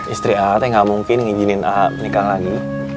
istri ate gak mungkin nginjinin ate menikah lagi